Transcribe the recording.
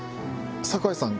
酒井さん